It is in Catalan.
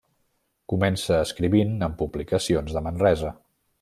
Comença escrivint en publicacions de Manresa.